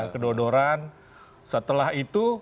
kedodoran setelah itu